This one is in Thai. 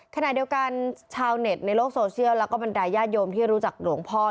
ขณะเดียวกันชาวเน็ตในโลกโซเชียลแล้วก็บรรดายญาติโยมที่รู้จักหลวงพ่อ